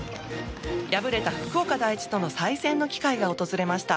敗れた福岡第一との再戦の機会が訪れました。